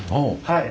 はい。